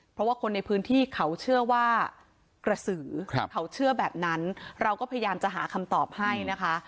เพราะว่าคนในพื้นที่เขาเชื่อว่ากระสือเขาเชื่อแบบนั้นเราก็พยายามจะหาคำตอบให้นะคะ